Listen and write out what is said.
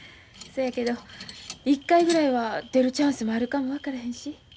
そやけど一回ぐらいは出るチャンスもあるかも分からへんし。